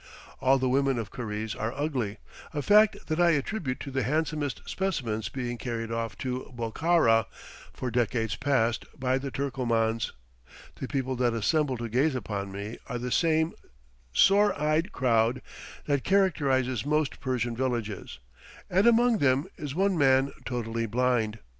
All the women of Karize are ugly; a fact that I attribute to the handsomest specimens being carried off to Bokhara, for decades past, by the Turkomans. The people that assemble to gaze upon me are the same sore eyed crowd that characterizes most Persian villages; and among them is one man totally blind.